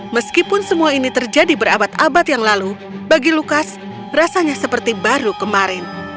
meskipun semua ini terjadi berabad abad yang lalu bagi lukas rasanya seperti baru kemarin